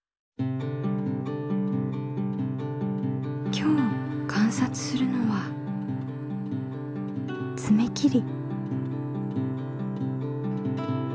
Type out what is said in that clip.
今日観察するのはつめ切り。